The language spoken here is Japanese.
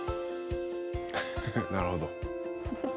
なるほど。